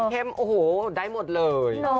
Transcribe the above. แข็มโอ้โหได้หมดเลย